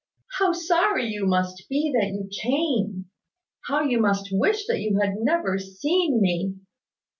"How sorry you must be that you came! How you must wish that you had never seen me!"